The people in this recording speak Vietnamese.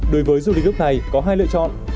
đối với du lịch nước này có hai lựa chọn